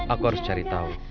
aku harus cari tahu